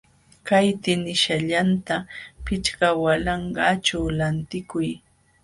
Kay tinisallanta pichqa walanqaćhu lantikuy.